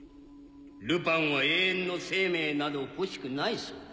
ルパンは永遠の生命など欲しくないそうだ。